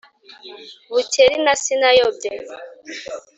bukeri na sinayobye